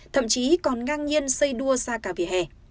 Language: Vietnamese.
thậm chí còn ngang nhiên xây đua xa cả về hè